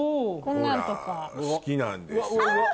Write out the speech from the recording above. ほら好きなんですよ。